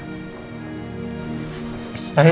ini salah saya